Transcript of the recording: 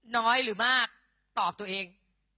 น้อยหรือมากตอบตัวเอง